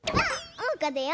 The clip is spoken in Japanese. おうかだよ。